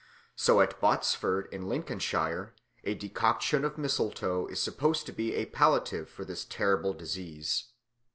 So at Bottesford in Lincolnshire a decoction of mistletoe is supposed to be a palliative for this terrible disease.